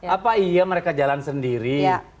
apa iya mereka jalan sendiri